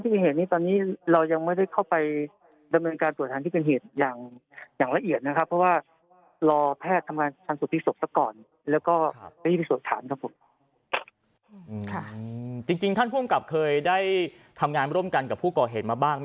จริงท่านภูมิการเคยได้ทำงานร่วมกันกับผู้ก่อเหตุ